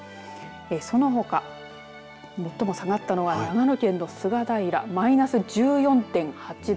そのほか最も下がったのは長野県の菅平マイナス１４．８度。